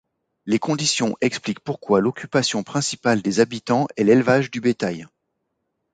Les conditions expliquent pourquoi l'occupation principale des habitants est l'élevage du bétail.